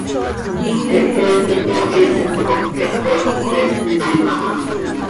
Hehe iti icoohitim com hehe cohseepitim aha.